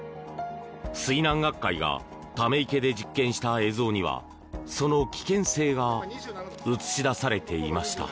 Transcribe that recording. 水難学会がため池で実験した映像にはその危険性が映し出されていました。